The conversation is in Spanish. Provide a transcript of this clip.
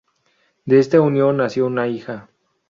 De esta unión nació una hija